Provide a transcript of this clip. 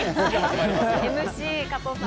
ＭＣ加藤さん。